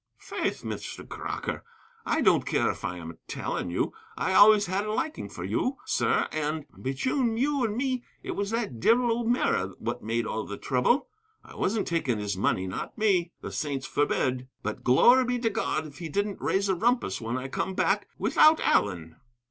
"Faith, Mr. Crocker, I don't care if I am telling you. I always had a liking for you, sir, and bechune you and me it was that divil O'Meara what made all the trouble. I wasn't taking his money, not me; the saints forbid! But glory be to God, if he didn't raise a rumpus whin I come back without Allen!